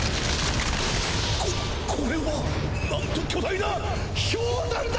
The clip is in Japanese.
ここれはなんと巨大な氷山だ！